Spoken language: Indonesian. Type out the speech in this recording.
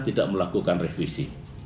tidak melakukan revisi